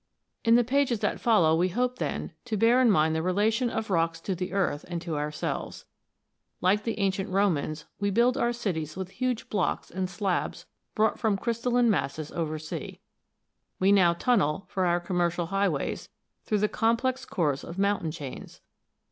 In the pages that follow we hope, then, to bear in mind the relations of rocks to the earth and to our selves. Like the ancient Romans, we build our cities with huge blocks and slabs brought from crystalline masses oversea. We now tunnel, for our commercial highways, through the complex cores of mountain chains.